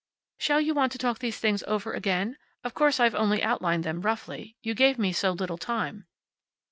"Shall you want to talk these things over again? Of course I've only outlined them, roughly. You gave me so little time."